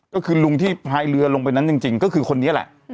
ก็คือลุงที่พายเรือลงไปนั้นจริงก็คือคนนี้แหละ